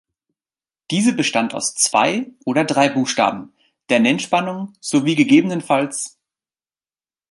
Diese bestand aus zwei oder drei Buchstaben, der Nennspannung sowie ggf.